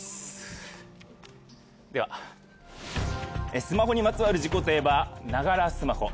ではスマホにまつわる事故といえばながらスマホ。